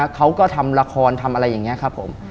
เขาก็ทำละครทำอะไรอย่างนี้ครับผม